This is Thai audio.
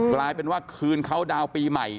กลายเป็นว่าคืนเขาดาวน์ปีใหม่